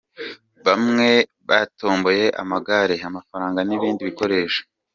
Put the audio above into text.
Bamwe batomboye amagare, amafaranga n’ibindi bikoresho.